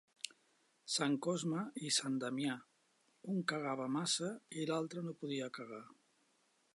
Sant Cosme i sant Damià: un cagava massa i l'altre no podia cagar.